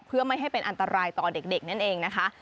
เพื่อไม่ให้เป็นอันตรายต่อเด็กนั่นเองนะคะ